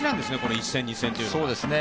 １戦、２戦というのが。